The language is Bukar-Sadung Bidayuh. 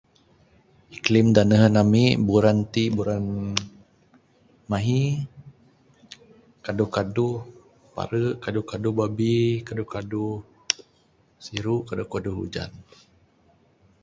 Iklam dak nehen ami buran t buran mehi, kedu kedu pare kedu kedu babe kedu kedu siru, kedu kedu ujan.